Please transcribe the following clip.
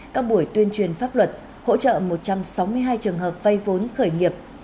các buổi tuyên truyền pháp luật hỗ trợ một trăm sáu mươi hai trường hợp vay vốn khởi nghiệp